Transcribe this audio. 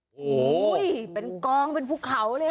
โห้ยเป็นกองเป็นภูเขาเลยค่ะ